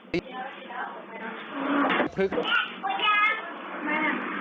ไม่สุดยอด